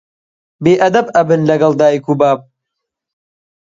بێ ئەدەب ئەبن لەگەڵ دایک و باب